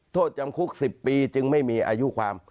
โทษจำคุก๑๐ปีจึงไม่มีอายุความ